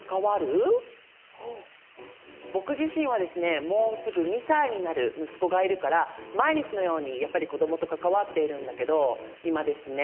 僕自身はですねもうすぐ２歳になる息子がいるから毎日のようにやっぱり子どもと関わっているんだけど今ですね